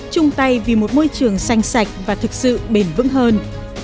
chung tay vì một môi trường xanh sạch và thực sự bền vững hơn